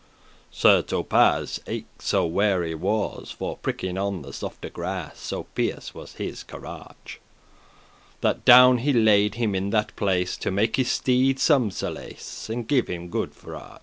Sir Thopas eke so weary was For pricking on the softe grass, So fierce was his corage,* *inclination, spirit That down he laid him in that place, To make his steed some solace, And gave him good forage.